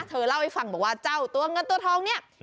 เธอเล่าให้ฟังบอกว่าเจ้าตัวเงินตัวทองเนี่ย